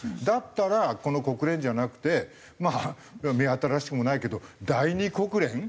だったらこの国連じゃなくてまあ目新しくもないけど第二国連。